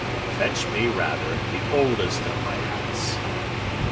Fetch me, rather, the oldest of my hats."